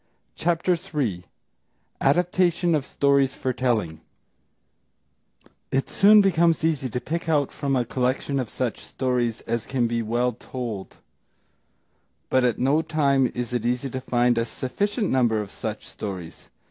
] CHAPTER III ADAPTATION OF STORIES FOR TELLING It soon becomes easy to pick out from a collection such stories as can be well told; but at no time is it easy to find a sufficient number of such stories.